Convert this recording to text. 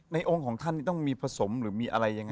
ในองค์ของท่านต้องมีผสมหรือมีอะไรอย่างนั้น